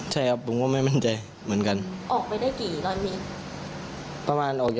แต่ว่าไม่ได้ลั่นจากมือของบูมแน่นอน